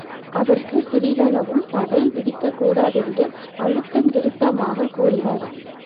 அதற்குச் சிறிதளவும் தடை விதிக்கக்கூடாதென்று அழுத்தந்திருத்தமாகக் கூறினர்.